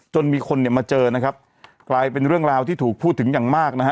มีคนเนี่ยมาเจอนะครับกลายเป็นเรื่องราวที่ถูกพูดถึงอย่างมากนะฮะ